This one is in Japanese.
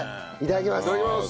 いただきます。